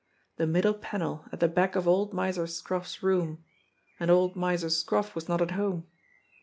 The middle panel at the back of old Miser Scroff's room and old Miser Scroff was not at home.